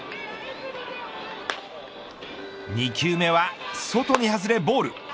２球目は外に外れボール。